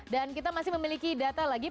dan kita masih memiliki data lagi